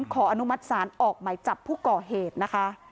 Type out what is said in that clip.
ขออนุมัติศาลออกหมายจับผู้ก่อเหตุนะคะ